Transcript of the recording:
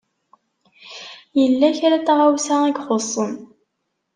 Yella kra n tɣawsa i ixuṣṣen.